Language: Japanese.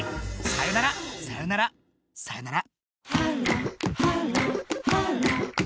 さよならさよならさよなら。